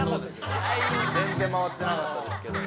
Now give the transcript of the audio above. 全然回ってなかったですけど。